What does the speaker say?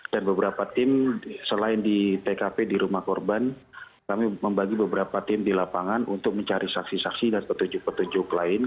dan beberapa tim selain di tkp di rumah korban kami membagi beberapa tim di lapangan untuk mencari saksi saksi dan petunjuk petunjuk lain